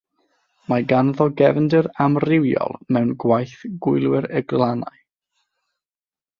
Mae ganddo gefndir amrywiol mewn gwaith Gwylwyr y Glannau.